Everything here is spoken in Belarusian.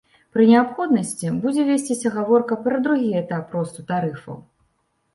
Пры неабходнасці будзе весціся гаворка пра другі этап росту тарыфаў.